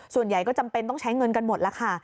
ส่วนใหญ่ก็จำเป็นต้องใช้เงินกันหมดแล้วค่ะ